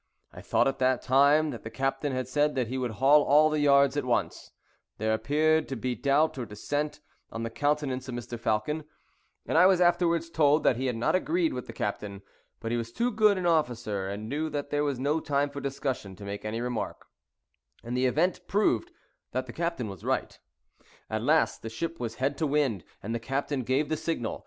I thought at the time that the captain had said that he would haul all the yards at once, there appeared to be doubt or dissent on the countenance of Mr. Falcon; and I was afterwards told that he had not agreed with the captain; but he was too good an officer, and knew that there was no time for discussion, to make any remark: and the event proved that the captain was right. At last the ship was head to wind, and the captain gave the signal.